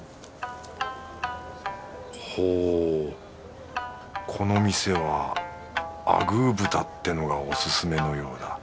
ほうこの店はアグー豚ってのがおすすめのようだ。